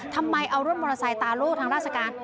ทำไมเอารถมอเตอร์ไซค์ตาโล่ทางราชการ